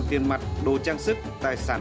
tiền mặt đồ trang sức tài sản